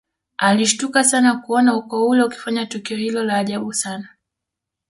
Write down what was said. Alishtuka sana kuona ukoo ule ukifanya tukio hilo la ajabu sana